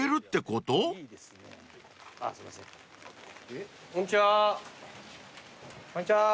こんにちは。